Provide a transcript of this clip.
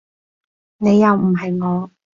你又唔係我